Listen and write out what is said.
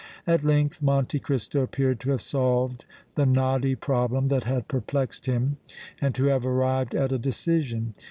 At length Monte Cristo appeared to have solved the knotty problem that had perplexed him and to have arrived at a decision.